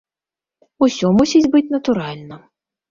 Усё мусіць быць натуральна.